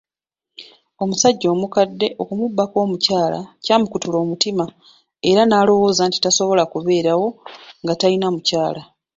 Omusajja omukadde okumubbako omukyala ky'amukutula omutima era n'alowooza nti tasobola kubeerawo nga talina mukyala.